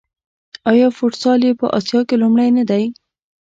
آیا فوټسال یې په اسیا کې لومړی نه دی؟